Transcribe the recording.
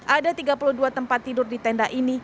ada tiga puluh dua tempat tidur di tenda ini